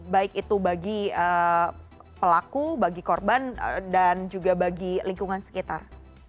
baik itu bagi pelaku bagi korban dan juga bagi lingkungan sekitar